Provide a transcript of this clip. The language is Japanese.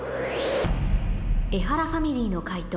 エハラファミリーの解答